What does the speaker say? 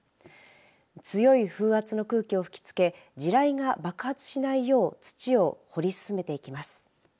強い風圧の空気を吹きつけ地雷が爆発しないよう土を掘り進めていきます。